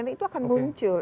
itu akan muncul